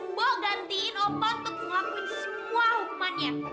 mbok gantiin obat untuk ngelakuin semua hukumannya